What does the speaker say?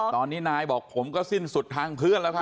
ตอนนี้นายบอกผมก็สิ้นสุดทางเพื่อนแล้วค่ะ